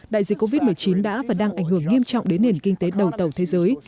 đại dịch covid một mươi chín đã và đang ảnh hưởng nghiêm trọng đến nền kinh tế đầu tàu thế giới